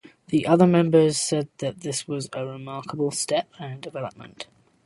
The other members said this was a remarkable step and development.